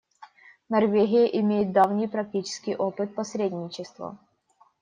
Норвегия имеет давний практический опыт посредничества.